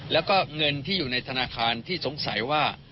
แล้วก็เงินที่อยู่ในธนาคารที่สงสัยว่า